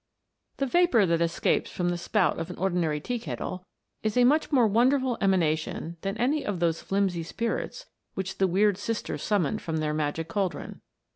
THE vapour that escapes from the spout of an ordi nary tea kettle, is a much more wonderful emana tion than any of those flimsy spirits which the wierd sisters summoned from their magic cauldron.